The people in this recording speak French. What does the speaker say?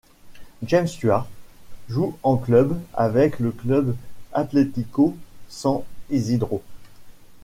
James Stuart joue en club avec le Club Atlético San Isidro.